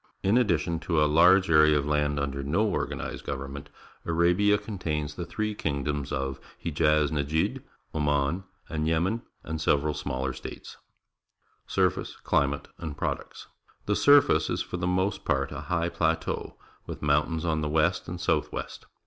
In addition to a large area of land under no organized government, Arabia contains the three kingdoms of Hejaz Nejd, Oman, and Yemen, and several smaller states. AFGHANISTAN 213 Surface, Climate, and Products. — The sur face is for the most part a liigh plateau, with mountains on the west and south west.